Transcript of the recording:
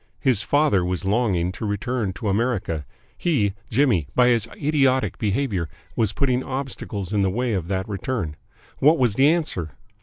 His father was longing to return to America he, Jimmy, by his idiotic behaviour was putting obstacles in the way of that return what was the answer?